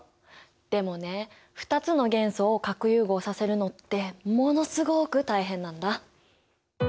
でもね２つの元素を核融合させるのってものすごく大変なんだ。